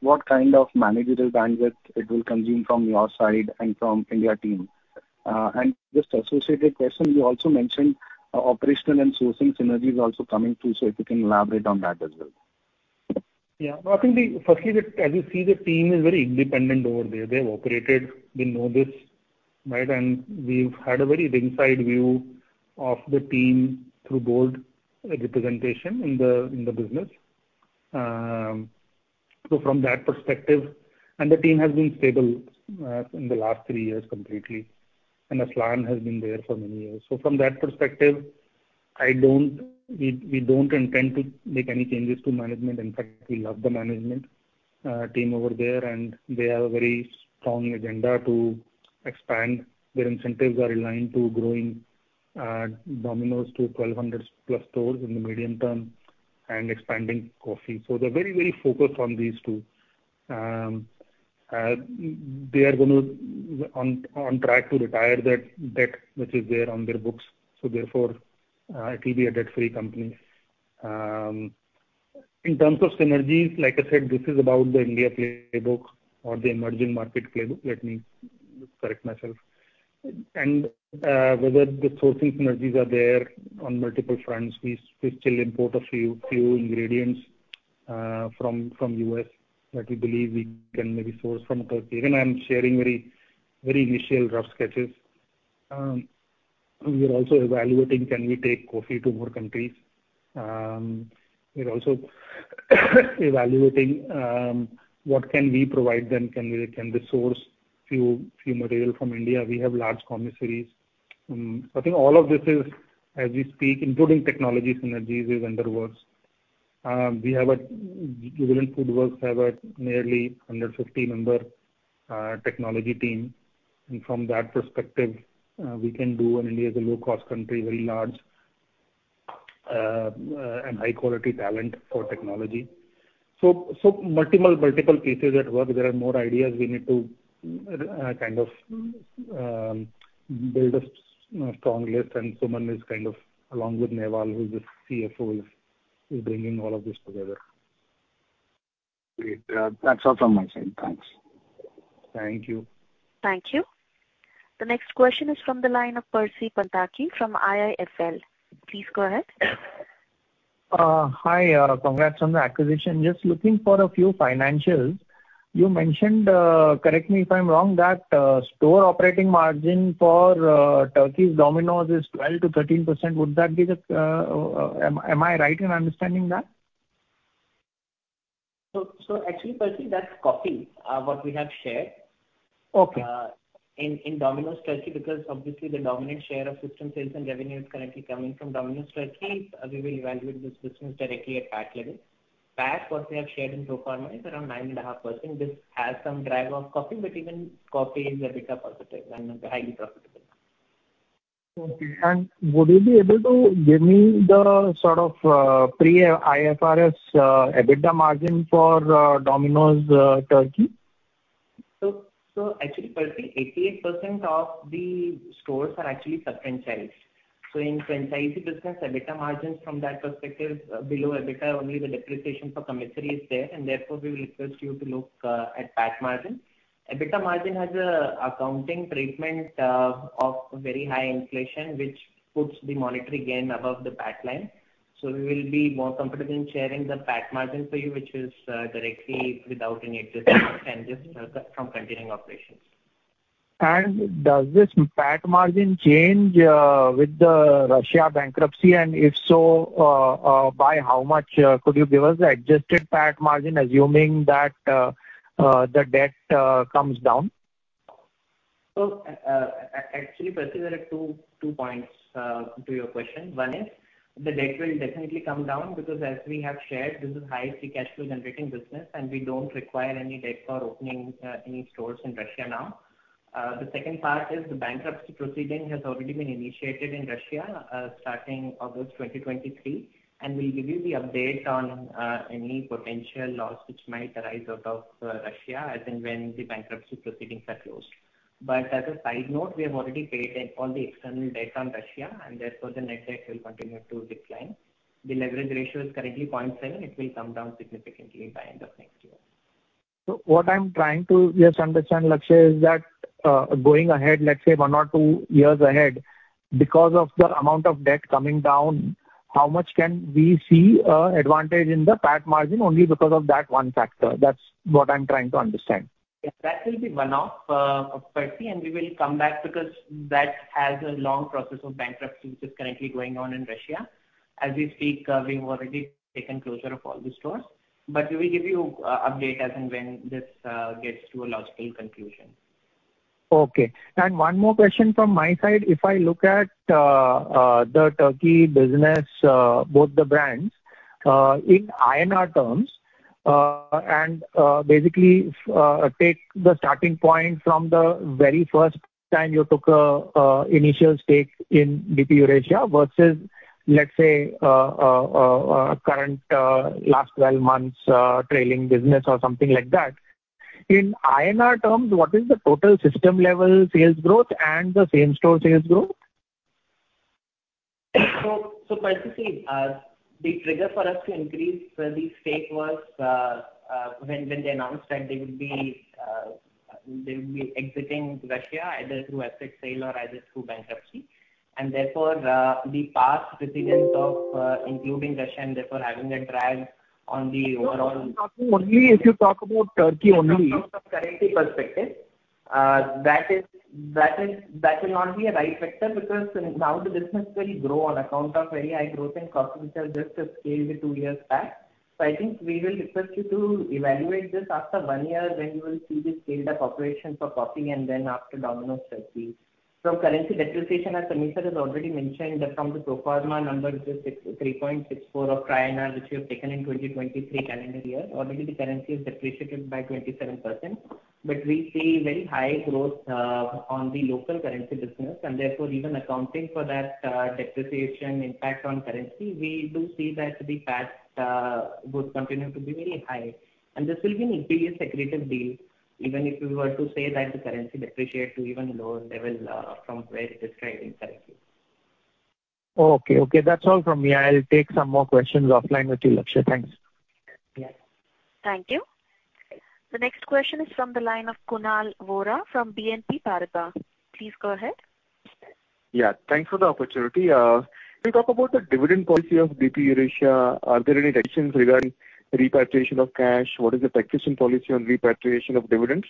what kind of managerial bandwidth it will consume from your side and from India team? And just associated question, you also mentioned, operational and sourcing synergies also coming through, so if you can elaborate on that as well. Yeah. Well, I think firstly, as you see, the team is very independent over there. They have operated, they know this, right? And we've had a very ringside view of the team through board representation in the business. So from that perspective... And the team has been stable in the last three years completely, and Aslan has been there for many years. So from that perspective, we don't intend to make any changes to management. In fact, we love the management team over there, and they have a very strong agenda to expand. Their incentives are aligned to growing Domino's to 1,200+ stores in the medium term and expanding COFFY. So they're very, very focused on these two. They are going to on track to retire that debt which is there on their books, so therefore, it will be a debt-free company. In terms of synergies, like I said, this is about the India playbook or the emerging market playbook, let me correct myself. Whether the sourcing synergies are there on multiple fronts, we still import a few ingredients from the U.S., that we believe we can maybe source from Turkey. Again, I'm sharing very initial rough sketches. We are also evaluating, can we take COFFY to more countries? We're also evaluating what can we provide them, can we, can they source few material from India? We have large commissaries. I think all of this is, as we speak, including technology synergies, under works. We have a. Jubilant FoodWorks have a nearly 150-member technology team, and from that perspective, we can do, and India is a low-cost country, very large, and high-quality talent for technology. So, multiple pieces at work. There are more ideas we need to kind of build a strong list, and Suman is kind of, along with Neval, who's the CFO, bringing all of this together. Great. That's all from my side. Thanks. Thank you. Thank you. The next question is from the line of Percy Panthaki from IIFL. Please go ahead. Hi, congrats on the acquisition. Just looking for a few financials. You mentioned, correct me if I'm wrong, that store operating margin for Turkey's Domino's is 12%-13%. Would that be the... Am I right in understanding that? So actually, Percy, that's COFFY, what we have shared. Okay. In Domino's Turkey, because obviously the dominant share of system sales and revenue is currently coming from Domino's Turkey, we will evaluate this business directly at PAT level. PAT, what we have shared in pro forma, is around 9.5%. This has some drag of COFFY, but even COFFY is an EBITDA positive and highly profitable. Okay. And would you be able to give me the sort of pre-IFRS EBITDA margin for Domino's Turkey? So, actually, Percy, 88% of the stores are actually sub-franchised. So in franchisee business, EBITDA margins from that perspective, below EBITDA, only the depreciation for commissary is there, and therefore, we will request you to look at PAT margin. EBITDA margin has an accounting treatment of very high inflation, which puts the monetary gain above the PAT line. So we will be more comfortable in sharing the PAT margin for you, which is directly without any adjustment and just from continuing operations. Does this PAT margin change with the Russia bankruptcy? If so, by how much? Could you give us the adjusted PAT margin, assuming that the debt comes down? So, actually, Percy, there are two points to your question. One is the debt will definitely come down because as we have shared, this is high free cash flow generating business, and we don't require any debt for opening any stores in Russia now. The second part is the bankruptcy proceeding has already been initiated in Russia, starting August 2023, and we'll give you the update on any potential loss which might arise out of Russia as and when the bankruptcy proceedings are closed. But as a side note, we have already paid all the external debt on Russia, and therefore the net debt will continue to decline. The leverage ratio is currently 0.7. It will come down significantly by end of next year. So what I'm trying to just understand, Lakshya, is that, going ahead, let's say one or two years ahead, because of the amount of debt coming down, how much can we see, advantage in the PAT margin only because of that one factor? That's what I'm trying to understand. Yeah, that will be one-off, Percy, and we will come back because that has a long process of bankruptcy, which is currently going on in Russia. As we speak, we have already taken closure of all the stores, but we will give you, update as and when this, gets to a logical conclusion. Okay. One more question from my side: if I look at the Turkey business, both the brands, in INR terms, and basically, take the starting point from the very first time you took an initial stake in DP Eurasia versus, let's say, current last 12 months trailing business or something like that. In INR terms, what is the total system level sales growth and the same-store sales growth? So, Percy, the trigger for us to increase the stake was when they announced that they would be exiting Russia, either through asset sale or through bankruptcy, and therefore, the past precedents of including Russia, and therefore, having a drag on the overall- Only if you talk about Turkey only. From a currency perspective, that is, that is, that will not be a right factor, because now the business will grow on account of very high growth in COFFY, which has just scaled two years back. So I think we will request you to evaluate this after one year, when you will see the scaled up operation for COFFY and then after Domino's Turkey. So currency depreciation, as Sameer has already mentioned, that from the pro forma number, which is 3.64 INR, which we have taken in 2023 calendar year, already the currency is depreciated by 27%. But we see very high growth on the local currency business, and therefore, even accounting for that, depreciation impact on currency, we do see that the PAT growth continue to be very high. This will be an impervious secretive deal, even if we were to say that the currency depreciate to even lower level, from where it is trading currently. Okay, okay, that's all from me. I'll take some more questions offline with you, Lakshya. Thanks. Yeah. Thank you. The next question is from the line of Kunal Vora from BNP Paribas. Please go ahead. Yeah, thanks for the opportunity. Can you talk about the dividend policy of DP Eurasia? Are there any decisions regarding repatriation of cash? What is the practicing policy on repatriation of dividends?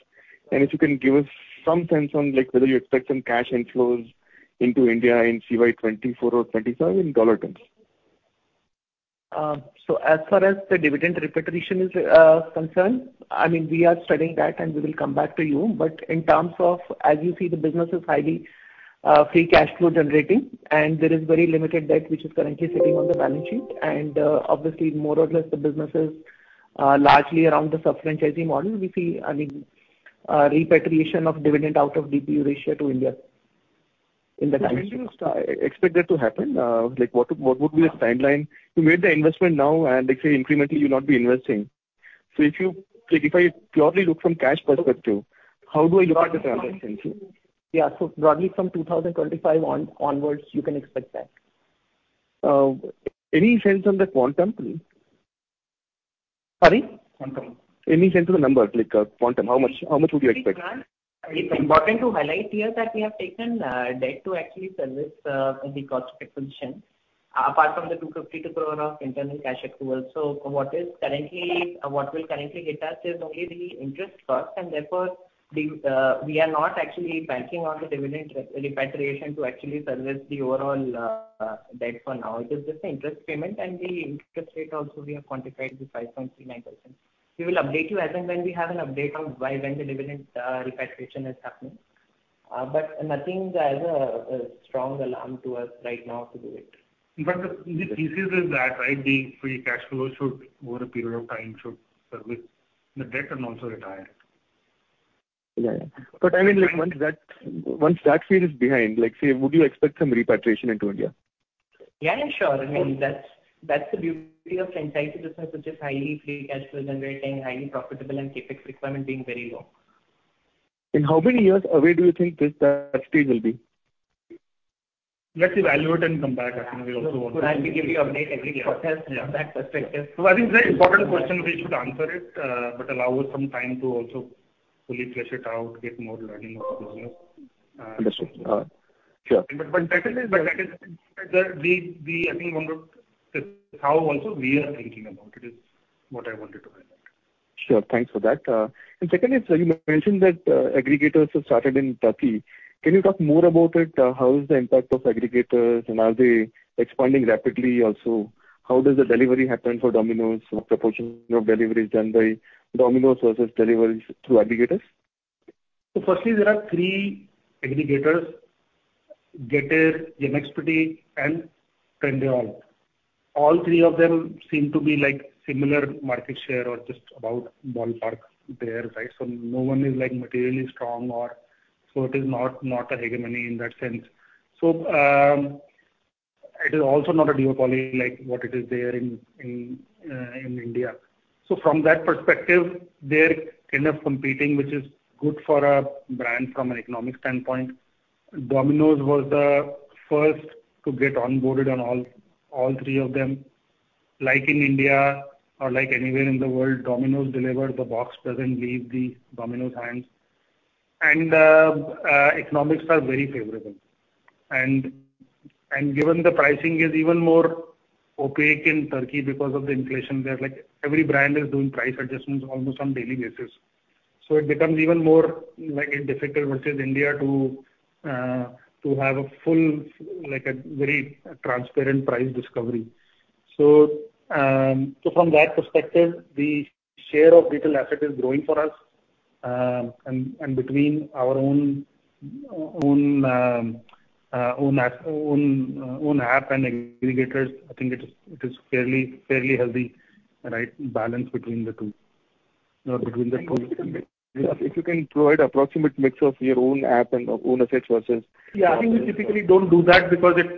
And if you can give us some sense on, like, whether you expect some cash inflows into India in CY 2024 or 2025 in dollar terms. So as far as the dividend repatriation is concerned, I mean, we are studying that, and we will come back to you. But in terms of... As you see, the business is highly free cash flow generating, and there is very limited debt which is currently sitting on the balance sheet. And obviously, more or less, the business is largely around the sub-franchisee model. We see, I mean, repatriation of dividend out of DP Eurasia to India in the time. When do you expect that to happen? Like, what, what would be the timeline? You made the investment now, and let's say incrementally, you will not be investing. So if you, like, if I purely look from cash perspective, how do I look at the transaction? Yeah, so broadly from 2025 on, onwards, you can expect that. Any sense on the quantum, please? Pardon? Quantum. Any sense of the number, like, quantum, how much, how much would you expect? It's important to highlight here that we have taken debt to actually service the cost of acquisition apart from the 250 crore of internal cash flows. So what will currently hit us is only the interest cost, and therefore, we are not actually banking on the dividend repatriation to actually service the overall debt for now. It is just an interest payment, and the interest rate also we have quantified to 5.39%. We will update you as and when we have an update on why, when the dividend repatriation is happening. But nothing as a strong alarm to us right now to do it. The thesis is that, right, the free cash flow should, over a period of time, should service the debt and also retire. Yeah, yeah. But I mean, like, once that, once that phase is behind, like, say, would you expect some repatriation into India? Yeah, yeah, sure. I mean, that's, that's the beauty of franchise business, which is highly free cash flow generating, highly profitable, and CapEx requirement being very low. In how many years away do you think this stage will be? Let's evaluate and come back. I mean, we also want to- We give you update every year. From that perspective. So I think it's a important question, we should answer it, but allow us some time to also fully flesh it out, get more learning of the business. Understood. Sure. But that is the-- we, I think, wanted to... How also we are thinking about it, is what I wanted to highlight. Sure. Thanks for that. And second is, you mentioned that, aggregators have started in Turkey? Can you talk more about it? How is the impact of aggregators, and are they expanding rapidly also? How does the delivery happen for Domino's? What proportion of delivery is done by Domino's versus deliveries through aggregators? So firstly, there are three aggregators: Getir, Yemeksepeti, and Trendyol. All three of them seem to be, like, similar market share or just about ballpark there, right? So no one is, like, materially strong or so it is not, not a hegemony in that sense. So, it is also not a duopoly like what it is there in India. So from that perspective, they're kind of competing, which is good for a brand from an economic standpoint. Domino's was the first to get onboarded on all three of them. Like in India or like anywhere in the world, Domino's delivers, the box doesn't leave the Domino's hands. And, economics are very favorable. And given the pricing is even more opaque in Turkey because of the inflation there, like, every brand is doing price adjustments almost on daily basis. So it becomes even more, like, difficult versus India to have a full, like, a very transparent price discovery. So from that perspective, the share of digital asset is growing for us. And between our own app and aggregators, I think it is fairly healthy, right, balance between the two. If you can provide approximate mix of your own app and own assets versus- Yeah, I think we typically don't do that because that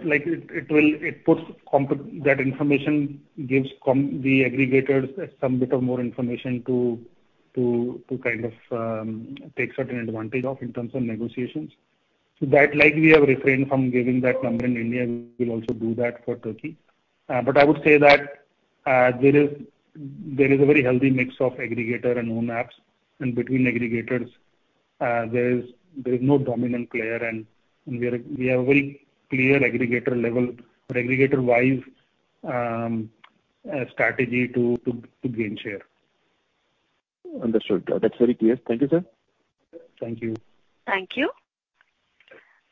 information gives the aggregators some bit of more information to kind of take certain advantage of in terms of negotiations. So that, we have refrained from giving that number in India, we will also do that for Turkey. But I would say that there is a very healthy mix of aggregator and own apps, and between aggregators, there is no dominant player, and we have a very clear aggregator level or aggregator-wise strategy to gain share. Understood. That's very clear. Thank you, sir. Thank you. Thank you.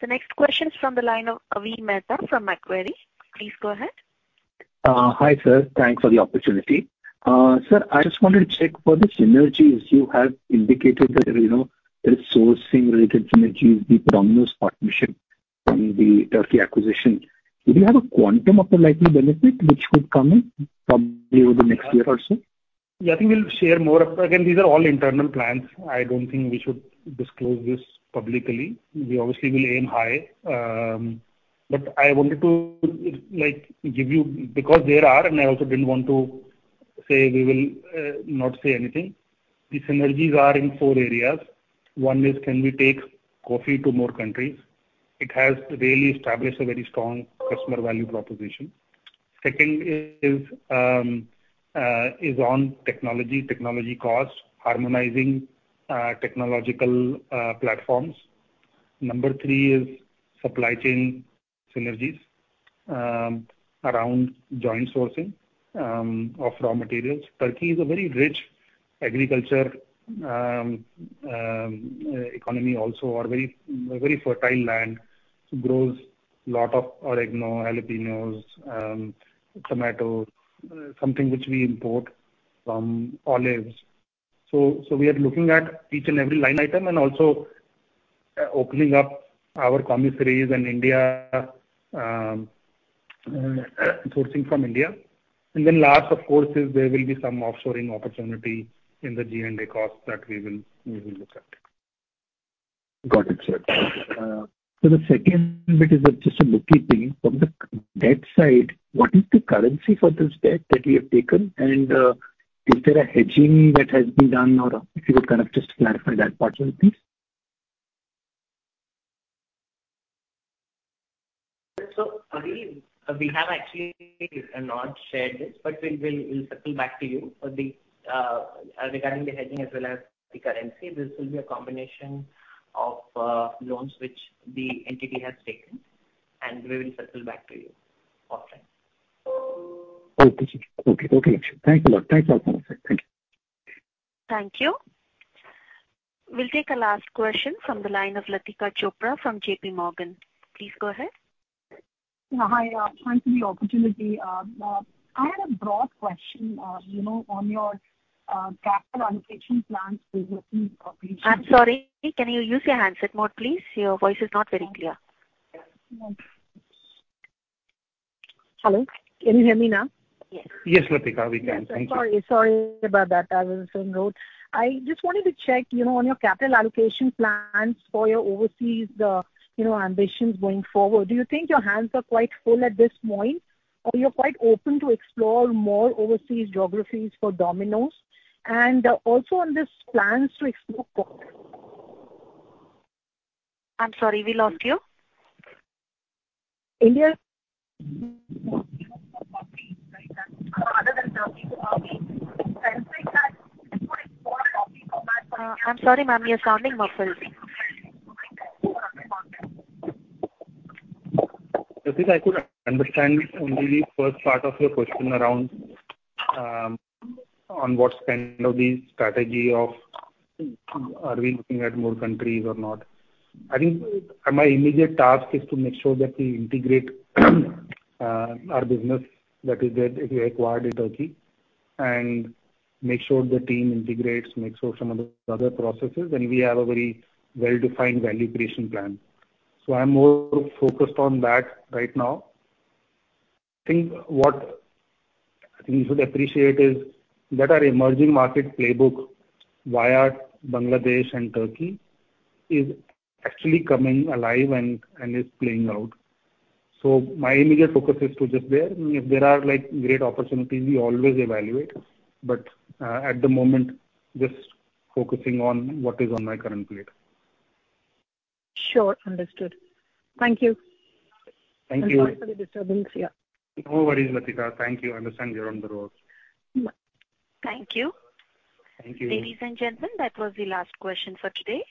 The next question is from the line of Avi Mehta from Macquarie. Please go ahead. Hi, sir. Thanks for the opportunity. Sir, I just wanted to check for the synergies you have indicated that, you know, there is sourcing related synergies, the Domino's partnership and the Turkey acquisition. Do you have a quantum of the likely benefit which would come in from over the next year or so? Yeah, I think we'll share more. Again, these are all internal plans. I don't think we should disclose this publicly. We obviously will aim high. But I wanted to, like, give you, because there are, and I also didn't want to say we will not say anything. The synergies are in four areas. One is, can we take COFFY to more countries? It has really established a very strong customer value proposition. Second is on technology, technology costs, harmonizing technological platforms. Number three is supply chain synergies around joint sourcing of raw materials. Turkey is a very rich agriculture economy also, or very, a very fertile land. Grows a lot of oregano, jalapeños, tomatoes, something which we import, olives. We are looking at each and every line item and also opening up our commissaries in India, sourcing from India. And then last, of course, is there will be some offshoring opportunity in the GNDE costs that we will, we will look at. Got it, sir. So the second bit is just a bookkeeping. From the debt side, what is the currency for this debt that you have taken? And, is there a hedging that has been done or if you could kind of just clarify that part a little, please. So Avi, we have actually not shared this, but we'll circle back to you on the regarding the hedging as well as the currency. This will be a combination of loans which the entity has taken, and we will circle back to you offline. Okay. Okay. Okay, Lakshya. Thank you a lot. Thanks a lot, sir. Thank you. Thank you. We'll take a last question from the line of Latika Chopra from J.P. Morgan. Please go ahead. Hi, thanks for the opportunity. I had a broad question, you know, on your capital allocation plans with the- I'm sorry, can you use your handset mode, please? Your voice is not very clear. Hello, can you hear me now? Yes, Latika, we can. Thank you. Sorry, sorry about that. I was on the road. I just wanted to check, you know, on your capital allocation plans for your overseas, you know, ambitions going forward. Do you think your hands are quite full at this point, or you're quite open to explore more overseas geographies for Domino's? And, also on this plans to explore. I'm sorry, we lost you. India. I'm sorry, ma'am, you're sounding muffled. Latika, I could understand only the first part of your question around on what kind of the strategy of, are we looking at more countries or not. I think my immediate task is to make sure that we integrate our business, that is that we acquired in Turkey, and make sure the team integrates, make sure some of the other processes, and we have a very well-defined value creation plan. So I'm more focused on that right now. I think what you should appreciate is that our emerging market playbook, via Bangladesh and Turkey, is actually coming alive and, and is playing out. So my immediate focus is to just there. If there are, like, great opportunities, we always evaluate, but at the moment, just focusing on what is on my current plate. Sure. Understood. Thank you. Thank you. Sorry for the disturbance here. No worries, Latika. Thank you. I understand you're on the road. Mm. Thank you. Thank you. Ladies and gentlemen, that was the last question for today.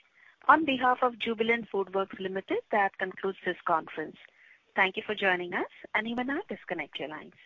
On behalf of Jubilant FoodWorks Limited, that concludes this conference. Thank you for joining us, and you may now disconnect your lines.